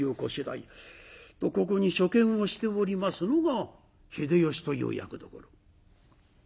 とここに書見をしておりますのが秀吉という役どころ。